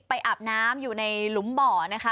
อาบน้ำอยู่ในหลุมบ่อนะคะ